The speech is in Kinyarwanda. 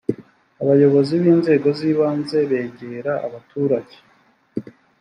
abayobozi b inzego z ibanze begera abaturage